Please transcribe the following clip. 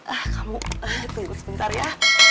ah kamu tunggu sebentar ya